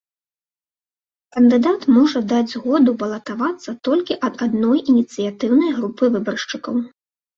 Кандыдат можа даць згоду балатавацца толькі ад адной ініцыятыўнай групы выбаршчыкаў.